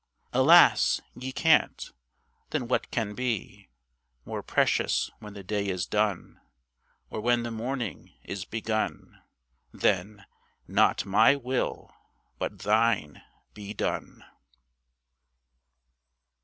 Alas! ye can't. Then what can be More precious when the day is done, Or when the morning is begun, Than, "Not my will, but Thine, be done."